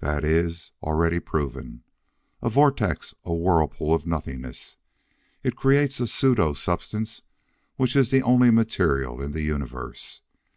That is already proven. A vortex! A whirlpool of nothingness! It creates a pseudo substance which is the only material in the universe.